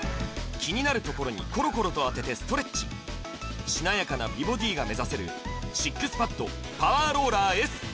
気になるところにコロコロと当ててストレッチしなやかな美ボディーが目指せるＳＩＸＰＡＤパワーローラーＳ